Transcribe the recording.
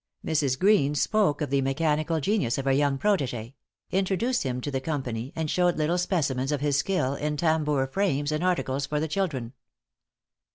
Mrs. Greene spoke of the mechanical genius of her young protégé; introduced him to the company, and showed little specimens of his skill, in tambour frames and articles for the children.